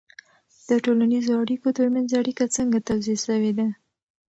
د ټولنیزو اړیکو ترمنځ اړیکه څنګه توضیح سوې ده؟